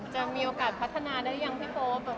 จะมีโอกาสพัฒนายังพี่โป๊บ